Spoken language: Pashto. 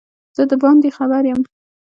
زه دباندي خبر یم